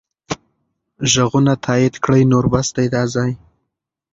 ږغونه تایید کړئ نور بس دی دا ځای.